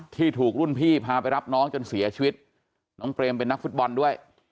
ที่ถูกรุ่นพี่พาไปรับน้องจนเสียชีวิตน้องเปรมเป็นนักฟุตบอลด้วย